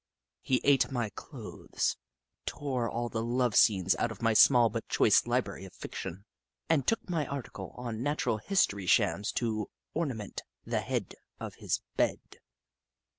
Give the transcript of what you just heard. He ate my clothes, tore all the love scenes out of my small but choice library of fiction, and took my article on Natural History Shams to ornament the head of his bed.